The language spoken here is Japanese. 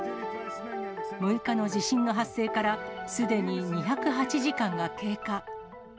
６日の地震の発生から、すでに２０８時間が経過。